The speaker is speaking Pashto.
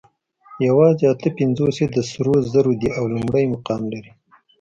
یواځې اته پنځوس یې د سرو زرو دي او لومړی مقام لري